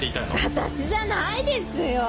私じゃないですよ。